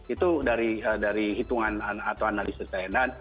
itu dari hitungan atau analisis saya